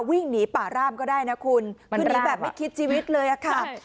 วิ่งหนีป่าร่ามก็ได้นะคุณมันแปลมาว่าไม่คิดจีวิตเลยอ่ะครับ